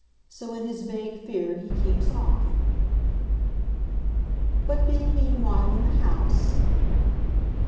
So, in his vague fear, he keeps off." "But being meanwhile in the house